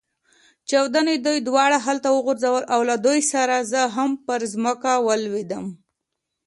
چاودنې دوی دواړه هلته وغورځول، له دوی سره زه هم پر مځکه ولوېدم.